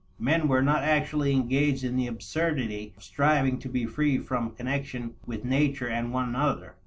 Men were not actually engaged in the absurdity of striving to be free from connection with nature and one another.